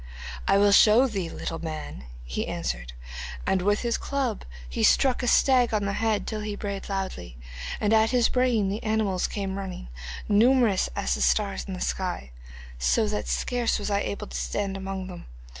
'"I will show thee, little man," he answered, and with his club he struck a stag on the head till he brayed loudly. And at his braying the animals came running, numerous as the stars in the sky, so that scarce was I able to stand among them.